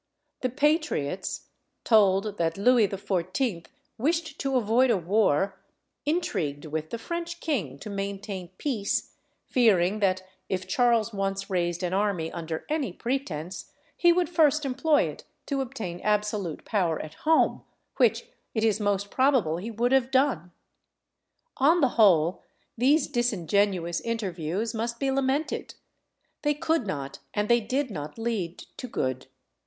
The patriots, told that Louis XIV. wished to avoid a war, intrigued with the French king to maintain peace, fearing that if Charles once raised an army under any pretence, he would first employ it to obtain absolute power at home, which it is most probable he would have done. On the whole, these disingenuous interviews must be lamented; they could not and they did not lead to good.